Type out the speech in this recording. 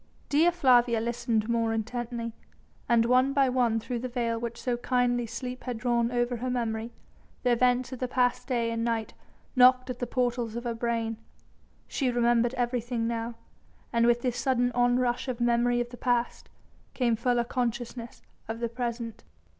Dea Flavia listened more intently, and one by one through the veil which kindly sleep had drawn over her memory, the events of the past day and night knocked at the portals of her brain. She remembered everything now, and with this sudden onrush of memory of the past, came fuller consciousness of the present.